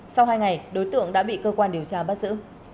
sau hai ngày đối tượng đã bị cơ quan điều tra bắt giữ